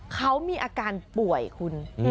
เขามีอาการป่วยคุณ